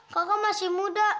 kaka masih muda